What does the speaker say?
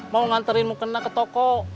mau nganterin mukena ke toko